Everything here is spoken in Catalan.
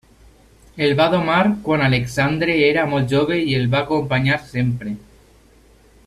El va domar quan Alexandre era molt jove i el va acompanyar sempre.